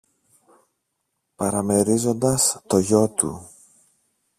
παραμερίζοντας το γιο του.